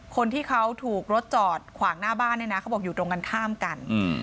คนที่เขาถูกรถจอดขวางหน้าบ้านเนี่ยนะเขาบอกอยู่ตรงกันข้ามกัน